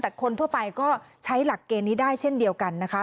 แต่คนทั่วไปก็ใช้หลักเกณฑ์นี้ได้เช่นเดียวกันนะคะ